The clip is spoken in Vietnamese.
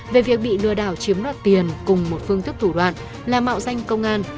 về việc bị lừa đảo chiếm đoạt tiền cùng một phương thức thủ đoạn là mạo danh công an